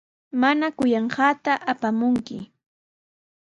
Mañakullanqaata apamunki.